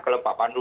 kalau bapak pandu